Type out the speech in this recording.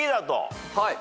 はい。